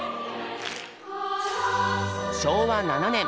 昭和７年。